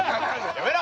やめろ！